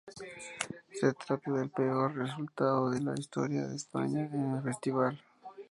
Se trata del peor resultado de la historia de España en el festival.